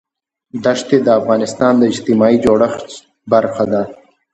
دښتې د افغانستان د اجتماعي جوړښت برخه ده.